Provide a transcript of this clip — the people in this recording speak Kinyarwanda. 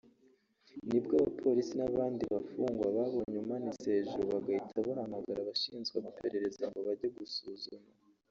nibwo abapolisi n’abandi bafungwa babonye umuntu umanitse hejuru bagahita bahamagara abashinzwe amaperereza ngo bajye gusuzuma